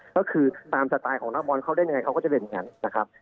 ก็คือตามสไตล์ของนักบอลเขาเล่นยังไงเขาก็จะเป็นอย่างนั้นนะครับ